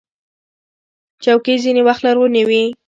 چوکۍ ځینې وخت لرغونې وي.